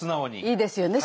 いいですよね。